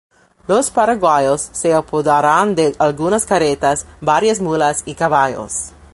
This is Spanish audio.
Los paraguayos se apoderaron de algunas carretas, varias mulas y caballos.